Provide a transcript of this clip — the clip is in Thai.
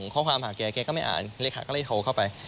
ข้อความหาแกแกก็ไม่อ่านเลขาก็เลยโทรเข้าไป